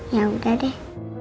ya udah deh